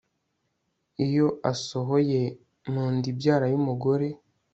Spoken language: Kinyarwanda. iyo asohoye, mu nda ibyara y'umugore